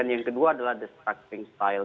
yang kedua adalah distracting style